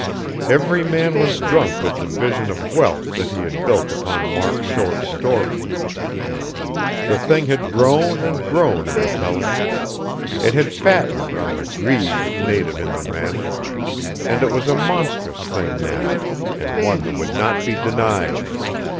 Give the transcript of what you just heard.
Every man was drunk with the vision of wealth that he had built upon Mark Shore's story. The thing had grown and grown in the telling; it had fattened on the greed native in the men; and it was a monstrous thing now, and one that would not be denied....